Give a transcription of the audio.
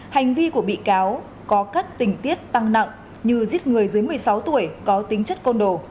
hành vi của bị cáo có các tình tiết tăng nặng như giết người dưới một mươi sáu tuổi có tính chất côn đồ